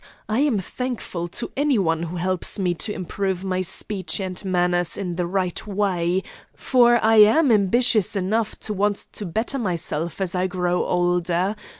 I am thankful to any one who helps me to improve my speech and manners in the right way, for I am ambitious enough to want to better myself as I grow older.